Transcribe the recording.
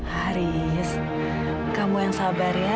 haris kamu yang sabar ya